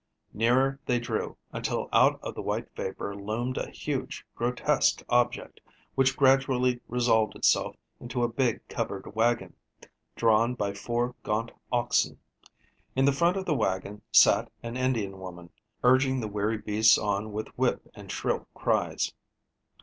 Nearer they drew, until out of the white vapor loomed a huge, grotesque object, which gradually resolved itself into a big covered wagon, drawn by four gaunt oxen. In the front of the wagon sat an Indian woman, urging the weary beasts on with whip and shrill cries.